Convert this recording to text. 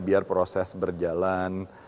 biar proses berjalan